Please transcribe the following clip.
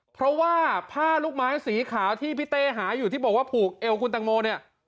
เพราะว่าผ้าลูกไม้สีขาวที่พี่เต้หาอยู่ที่บอกว่าผูกเอวคุณตังโมเนี่ย